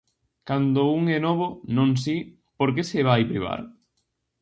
Cando un é novo, non si, por que se vai privar?